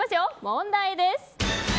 問題です。